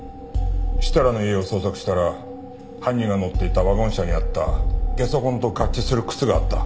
設楽の家を捜索したら犯人が乗っていたワゴン車にあったゲソ痕と合致する靴があった。